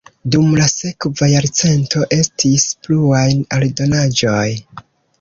Dum la sekva jarcento estis pluaj aldonaĵoj.